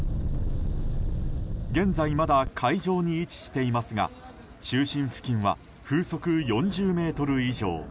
現在、まだ海上に位置していますが中心付近は風速４０メートル以上。